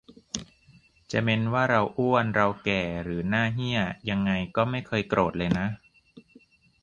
จะเม้นว่าเราอ้วนเราแก่หรือหน้าเหี้ยยังไงก็ไม่เคยโกรธเลยนะ